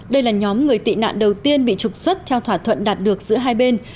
đây là nhóm người tị nạn đầu tiên bị trục xuất theo thỏa thuận đạt được giữa hai bên